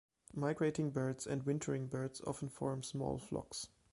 Migrating birds and wintering birds often form small flocks.